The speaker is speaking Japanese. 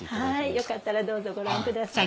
よかったらどうぞご覧ください。